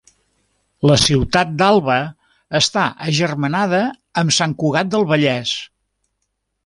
La ciutat d'Alba està agermanada amb Sant Cugat del Vallès.